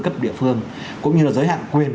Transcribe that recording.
cấp địa phương cũng như là giới hạn quyền